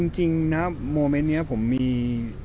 เอ่อจริงนะโมเมนต์เนี้ยผมมี